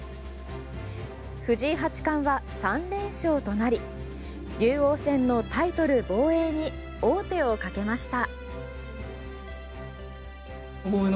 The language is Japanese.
藤井八冠は３連勝となり竜王戦のタイトル防衛に王手をかけました。